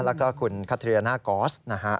แล้วก็คุณคาเทรียน่ากอสนะฮะ